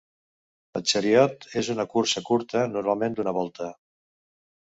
El "chariot" és una cursa curta, normalment d'una volta.